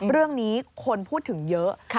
เรื่องนี้คนพูดถึงเยอะ